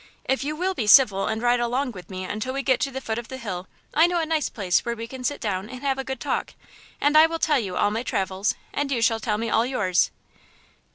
If you will be civil and ride along with me until we get to the foot of the hill, I know a nice place where we can sit down and have a good talk, and I will tell you all my travels and you shall tell me all yours."